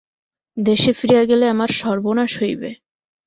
দেশে ফিরিয়া গেলে আমার সর্বনাশ হইবে।